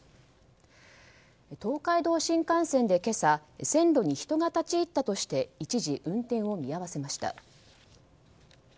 東海道新幹線で今朝線路に人が立ち入ったとして一時運転を見合わせました。